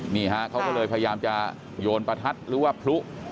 นี่ฮะเขาก็เลยพยายามจะโยนประทัดหรือว่าพลุ